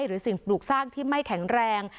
สิ่งปลูกสร้างที่ไม่แข็งแรง